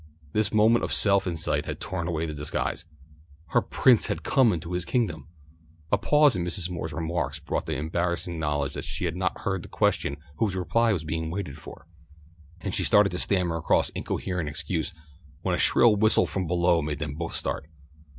This moment of self insight had torn away the disguise. Her Prince had come into his kingdom! A pause in Mrs. Moore's remarks brought the embarrassing knowledge that she had not heard the question whose reply was being waited for, and she started to stammer some incoherent excuse, when a shrill whistle from below made them both start.